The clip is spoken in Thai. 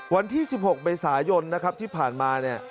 วันที่๑๖เมษายนนะครับที่ผ่านมาเนี่ย